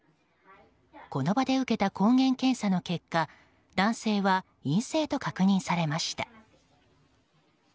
この場で受けた抗原検査の結果男性は陰性と確認されました。